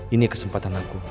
ini kesempatan aku